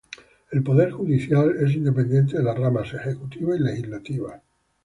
El poder judicial es independiente de las ramas ejecutiva y legislativa.